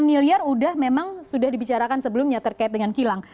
lima miliar sudah memang sudah dibicarakan sebelumnya terkait dengan kilang